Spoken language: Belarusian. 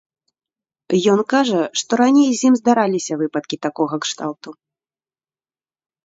Ён кажа, што раней з ім здараліся выпадкі такога кшталту.